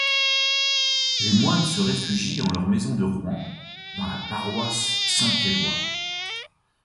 Les moines se réfugient en leur maison de Rouen, dans la paroisse Saint-Éloi.